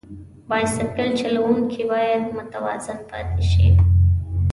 بایسکل چلوونکی باید متوازن پاتې شي.